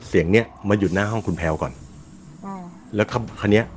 เสียงเนี้ยมาหยุดหน้าห้องคุณแพลวก่อนอืมแล้วคันนี้